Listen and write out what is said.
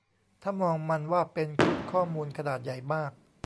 ถ้ามองมันว่าเป็นชุดข้อมูล ขนาดใหญ่มาก